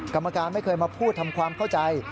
กรรมการไม่เคยมาพูดทำความเข้าใจ